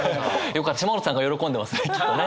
島本さんが喜んでますねきっとね。